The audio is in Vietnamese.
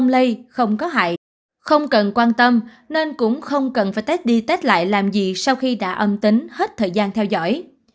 đây không có hại không cần quan tâm nên cũng không cần phải test đi test lại làm gì sau khi đã âm tính hết thời gian theo dõi